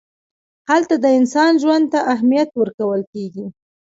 هلته د انسان ژوند ته اهمیت ورکول کېږي.